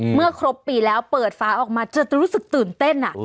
เมื่อครบปีแล้วเปิดฝาออกมาจะรู้สึกตื่นเต้น